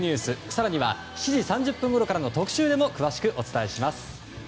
更には７時３０分ごろからの特集でも詳しくお伝えします。